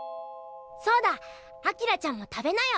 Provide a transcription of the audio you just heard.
そうだ明ちゃんも食べなよ。